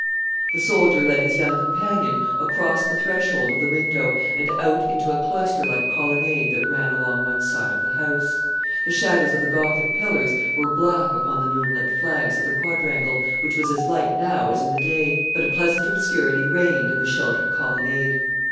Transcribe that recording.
The soldier led his young companion across the threshold of the window, and out into a cloister like colonnade that ran along one side of the house. The shadows of the Gothic pillars were black upon the moonlit flags of the quadrangle, which was as light now as in the day; but a pleasant obscurity reigned in the sheltered colonnade.